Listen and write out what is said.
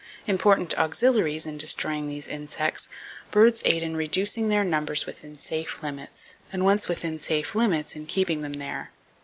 Important auxiliaries, in destroying these insects, birds aid in reducing their numbers within safe limits, and once within safe limits in keeping them there.